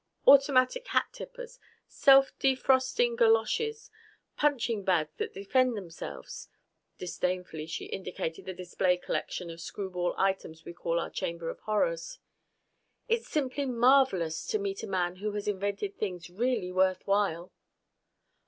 Automatic hat tippers, self defrosting galoshes, punching bags that defend themselves " Disdainfully she indicated the display collection of screwball items we call our Chamber of Horrors. "It's simply marvelous to meet a man who has invented things really worth while."